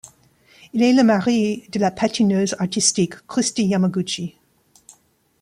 Il est le mari de la patineuse artistique Kristi Yamaguchi.